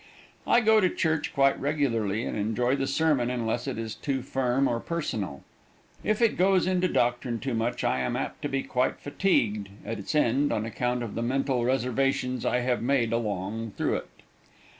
I go to church quite regularly and enjoy the sermon unless it is too firm or personal. If it goes into doctrine too much I am apt to be quite fatigued at its end on account of the mental reservations I have made along through it.